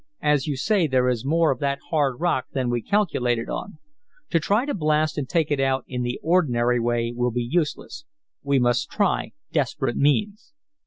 "As you say, there is more of that hard rock than we calculated on. To try to blast and take it out in the ordinary way will be useless. We must try desperate means."